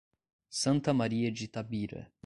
Santa Maria de Itabira